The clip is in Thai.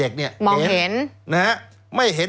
แล้วเขาก็ใช้วิธีการเหมือนกับในการ์ตูน